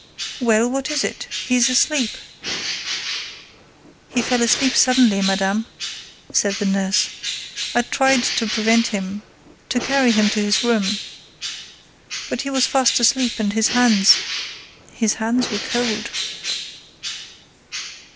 "Well, what is it? He's asleep!—" "He fell asleep suddenly, madame," said the nurse. "I tried to prevent him, to carry him to his room. But he was fast asleep and his hands—his hands were cold."